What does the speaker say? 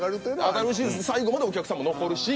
上がるし最後までお客さんも残るし。